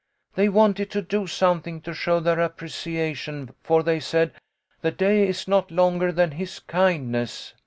They wanted to do something to show their appreciation, for they said, ' The day is not longer than his kindness.'